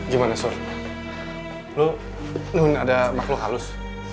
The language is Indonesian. gimana sur lu nuh ini ada makhluk halus